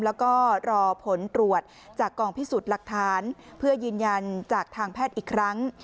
แล้วก็รอผลตรวจจากกองพิสูจน์หลักฐานเพื่อยืนยันจากทางแพทย์อีกครั้ง